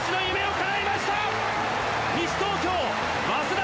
西東京早稲田